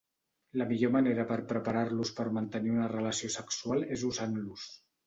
La millor manera per preparar-los per mantenir una relació sexual és usant-los.